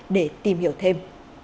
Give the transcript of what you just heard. để tìm hiểu thêm